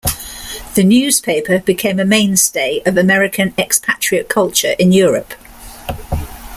The newspaper became a mainstay of American expatriate culture in Europe.